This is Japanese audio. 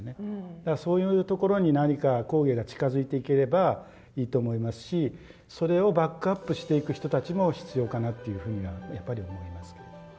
だからそういうところに何か工芸が近づいていければいいと思いますしそれをバックアップしていく人たちも必要かなというふうにはやっぱり思いますけども。